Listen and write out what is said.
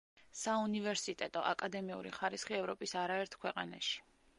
საუნივერსიტეტო, აკადემიური ხარისხი ევროპის არაერთ ქვეყანაში.